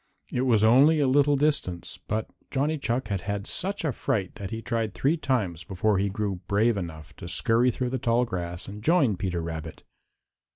It was only a little distance, but Johnny Chuck had had such a fright that he tried three times before he grew brave enough to scurry through the tall grass and join Peter Rabbit.